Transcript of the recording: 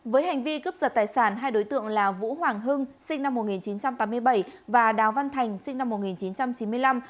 với hành vi cướp giật tài sản hai đối tượng là vũ hoàng hưng sinh năm một nghìn chín trăm tám mươi bảy và đào văn thành sinh năm một nghìn chín trăm chín mươi năm